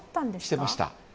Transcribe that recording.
してました。